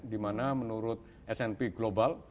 dimana menurut smp global